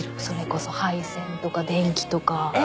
それこそ配線とか電気とか。